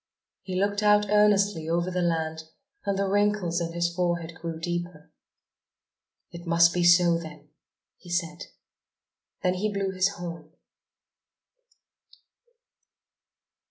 He looked out earnestly over the land and the wrinkles in his forehead grew deeper. "It must be so then!" he said. Then he blew his horn.